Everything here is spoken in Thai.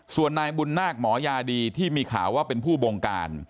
ส่วนนายบุญนาคหมอยาดีที่มีข่าวว่าเป็นผู้บงการ